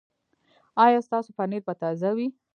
ایا ستاسو پنیر به تازه وي؟